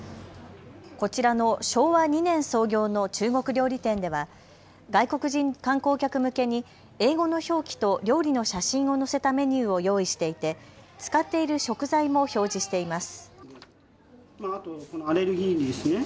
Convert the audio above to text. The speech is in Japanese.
こちらの昭和２年創業の中国料理店では外国人観光客向けに英語の表記と料理の写真を載せたメニューを用意していて、使っている食材も表示しています。